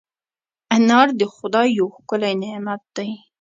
انار د خدای یو ښکلی نعمت دی.